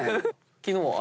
昨日は？